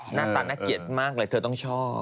หน้าตาน่าเกลียดมากเลยเธอต้องชอบ